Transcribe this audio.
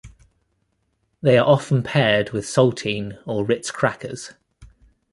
They are often paired with saltine or Ritz Crackers.